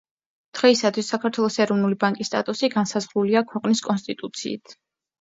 დღეისათვის საქართველოს ეროვნული ბანკის სტატუსი განსაზღვრულია ქვეყნის კონსტიტუციით.